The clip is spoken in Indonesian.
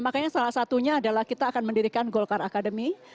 makanya salah satunya adalah kita akan mendirikan golkar academy